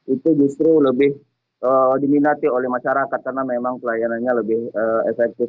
itu justru lebih diminati oleh masyarakat karena memang pelayanannya lebih efektif